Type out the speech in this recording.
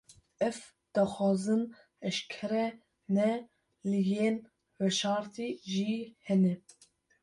Ev, daxwazên eşkere ne; lê yên veşartî jî hene